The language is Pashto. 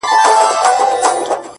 گرانه په دغه سي حشر كي جــادو؛